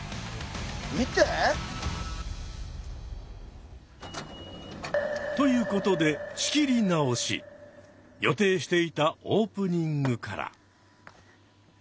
見て。ということで予定していたオープニングから。